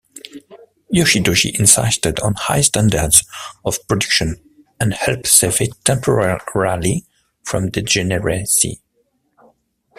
Yoshitoshi insisted on high standards of production, and helped save it temporarily from degeneracy.